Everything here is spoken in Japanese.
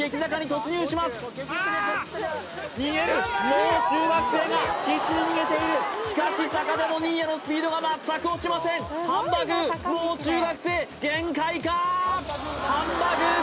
もう中学生が必死に逃げているしかし坂でも新谷のスピードが全く落ちませんハンバ具ーもう中学生限界かハンバ具ー